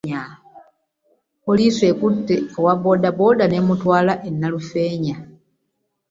Poolisi ekutte owa boodabooda n'emutwala e Nalufeenya.